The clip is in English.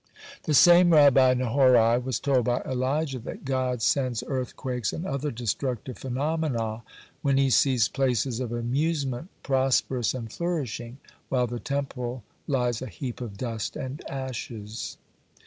The same Rabbi Nehorai was told by Elijah, that God sends earthquakes and other destructive phenomena when He sees places of amusement prosperous and flourishing, while the Temple lies a heap of dust and ashes.